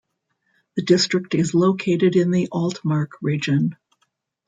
The district is located in the Altmark region.